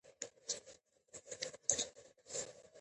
که پیسې یې نه وی، کاروبار به یې نه کړی وای.